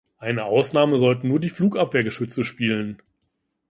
Eine Ausnahme sollten nur die Flugabwehrgeschütze spielen.